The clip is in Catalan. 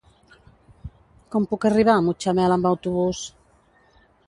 Com puc arribar a Mutxamel amb autobús?